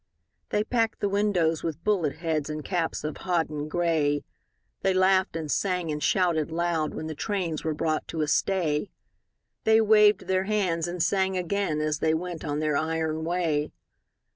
They packed the windows with bullet heads And caps of hodden gray; They laughed and sang and shouted loud When the trains were brought to a stay; They waved their hands and sang again As they went on their iron way.